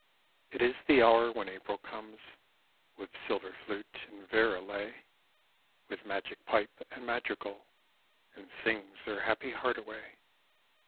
It is the hour when April comes With silver flute and vlrelay, With magic pipe and madrigal, And sings her happy heart away.